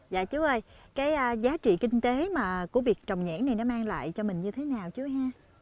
dạ chú ơi cái giá trị kinh tế mà của việc trồng nhãn này nó mang lại cho mình như thế nào chú ha